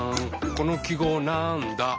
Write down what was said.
この記号なんだ？